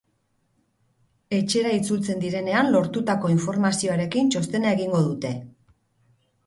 Etxera itzultzen direnean lortutako informazioarekin txostena egingo dute.